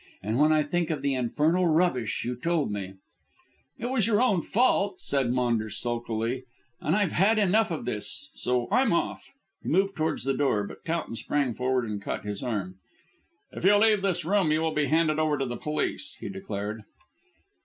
And when I think of the infernal rubbish you told me " "It was your own fault," said Maunders sulkily, "and I've had enough of this so, I'm off." He moved towards the door, but Towton sprang forward and caught his arm. "If you leave this room you will be handed over to the police," he declared.